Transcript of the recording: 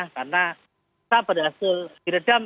karena saya berhasil diredam